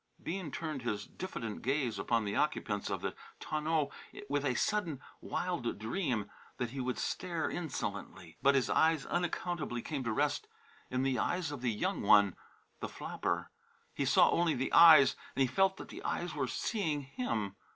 Bean turned his diffident gaze upon the occupants of the tonneau with a sudden wild dream that he would stare insolently. But his eyes unaccountably came to rest in the eyes of the young one the flapper. He saw only the eyes, and he felt that the eyes were seeing him.